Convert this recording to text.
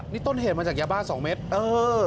นี่ต้นเหตุมาจากยาบ้าสองเม็ดเออ